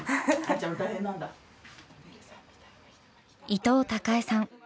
伊藤孝恵さん。